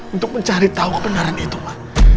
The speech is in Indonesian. untuk mencari tahu kebenaran itu pak